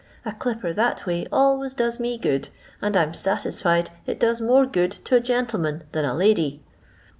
A clipper that way always docs me good, and I 'm satisfied it does more good to a, gentleman than a lady.'